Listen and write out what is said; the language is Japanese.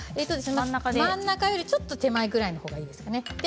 真ん中よりちょっと手前ぐらいのほうがいいですね。